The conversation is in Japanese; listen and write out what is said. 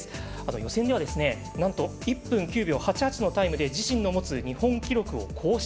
予選では、なんと１分９秒８８のタイムで自身の持つ日本記録を更新。